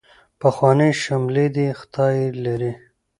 پخوانۍ شملې دې خدای لري.